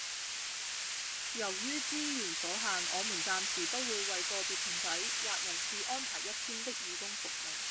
由於資源所限，我們暫時不會為個別團體或人士安排一天的義工服務